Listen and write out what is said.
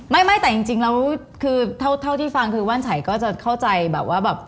ไม่แต่จริงแล้วคือเท่าที่ฟังคือว่านไฉก็จะเข้าใจแบบว่าแบบ